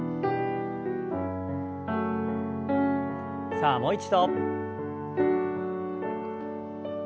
さあもう一度。